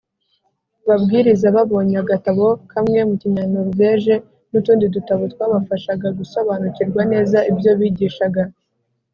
Ababwiriza babonye agatabo kamwe mu kinyanoruveje n’utundi dutabo twabafashaga gusobanukirwa neza ibyo bigishaga.